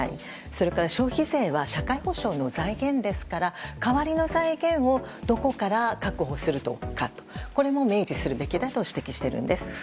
それから消費税は社会保障の財源ですから代わりの財源をどこから確保するのかこれも明示するべきだとしているんです。